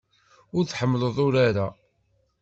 Ur tḥemmleḍ urar-a.